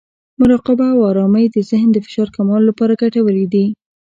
مراقبه او ارامۍ د ذهن د فشار کمولو لپاره ګټورې دي.